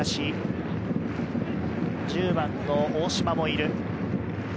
１０番の大島もいる。